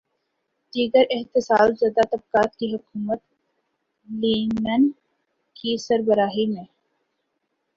دیگر استحصال زدہ طبقات کی حکومت لینن کی سربراہی میں